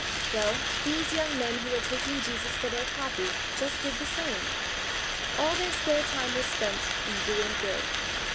Well, these young men who were taking Jesus for their copy, just did the same; all their spare time was spent in "doing good."